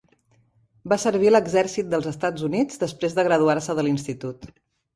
Va servir a l'Exercit dels Estats Units després de graduar-se de l'institut.